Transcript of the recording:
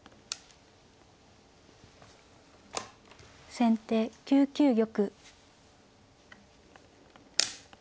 先手９九玉。